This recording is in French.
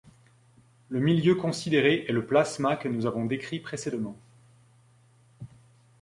Le milieu considéré est le plasma que nous avons décrit précédemment.